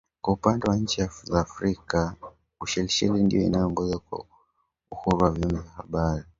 Kwa upande wa nchi za Afrika Ushelisheli, ndiyo inaongoza kwa uhuru wa vyombo vya habari